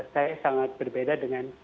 saya sangat berbeda dengan